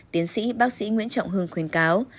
tiến sĩ bác sĩ nguyễn trọng hưng khuyến cáo